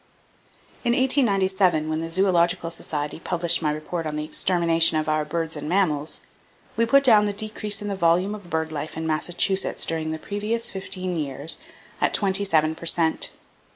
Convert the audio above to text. In 1897 when the Zoological Society published my report on the "Extermination of Our Birds and Mammals," we put down the decrease in the volume of bird life in Massachusetts during the previous fifteen years at twenty seven per cent.